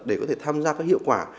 để có thể tham gia các hiệu quả